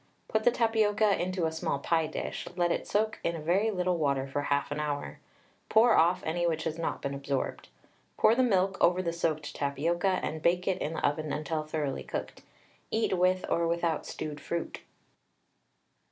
Put the tapioca into a small pie dish, let it soak in a very little water for half an hour, pour off any which has not been absorbed. Pour the milk over the soaked tapioca, and bake it in the oven until thoroughly cooked. Eat with or without stewed fruit.